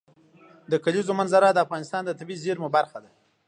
د کلیزو منظره د افغانستان د طبیعي زیرمو برخه ده.